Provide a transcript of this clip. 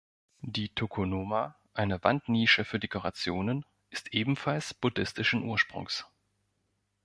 Die Tokonoma, eine Wandnische für Dekorationen, ist ebenfalls buddhistischen Ursprungs.